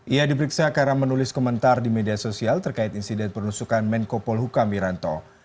ia diperiksa karena menulis komentar di media sosial terkait insiden penusukan menko polhukam wiranto